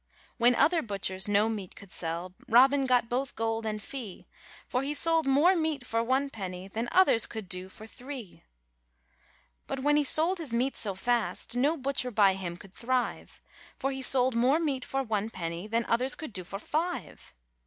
When other butchers no meat could sell, Robin got both gold and fee; For he sold more meat for one peny Than others could do for three. RAINBOW GOLD But when tie sold his meat so fast, No butcher by him could thrive; For he sold more meat for one peny Than others could do for five.